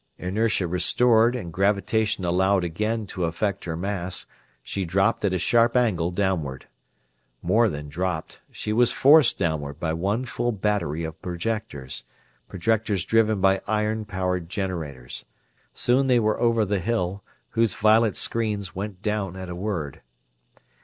Inertia restored and gravitation allowed again to affect her mass, she dropped at a sharp angle downward. More than dropped; she was forced downward by one full battery of projectors; projectors driven by iron powered generators. Soon they were over the Hill, whose violet screens went down at a word.